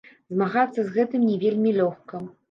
Змагацца з гэтым не вельмі лёгка.